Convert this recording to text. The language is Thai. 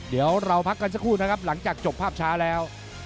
เดี๋ยวเราพักกันสักครู่นะครับหลังจากจบภาพช้าแล้ว